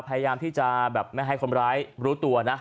พยายามที่จะแบบไม่ให้คนร้ายรู้ตัวนะ